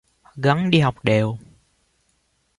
Gắng đi học đều